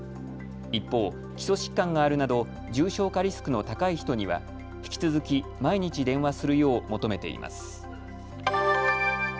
一方、基礎疾患があるなど重症化リスクの高い人には引き続き毎日電話するよう求めています。